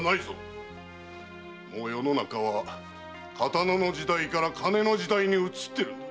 もう世の中は刀の時代から金の時代に移ってるのだ。